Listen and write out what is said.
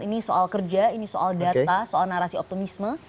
ini soal kerja ini soal data soal narasi optimisme